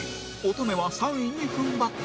乙女は３位に踏ん張った